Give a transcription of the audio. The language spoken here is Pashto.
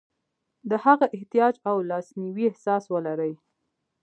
د هغه احتیاج او لاسنیوي احساس ولري.